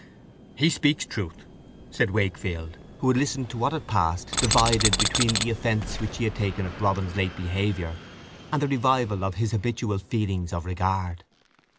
"He speaks truth," said Wakefield, who had listened to what passed, divided between the offence which he had taken at Robin's late behaviour and the revival of his habitual feelings of regard.